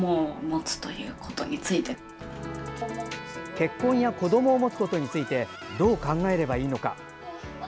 結婚や子どもを持つことについてどう考えればいいのか。